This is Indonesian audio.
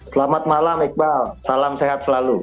selamat malam iqbal salam sehat selalu